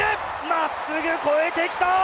まっすぐ超えてきた！